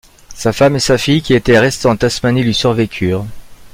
Sa femme et sa fille qui étaient restées en Tasmanie lui survécurent.